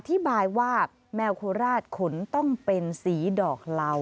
อธิบายว่าแมวโคราชขนต้องเป็นสีดอกเหล่า